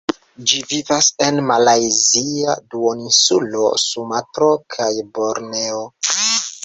Ĝi vivas en Malajzia Duoninsulo, Sumatro kaj Borneo.